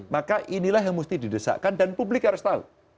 maka inilah yang mesti didesakkan dan publik harus tahu